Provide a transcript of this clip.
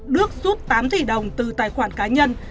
đức rút tám tỷ đồng từ tài khoản cá nhân